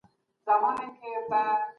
څنګه ارزونه کېږي؟